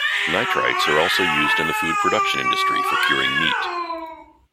Nitrites are also used in the food production industry for curing meat.